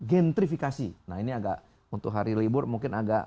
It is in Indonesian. gentrifikasi nah ini agak untuk hari libur mungkin agak